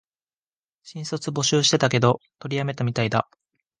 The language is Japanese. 新卒募集してたけど、取りやめたみたいだ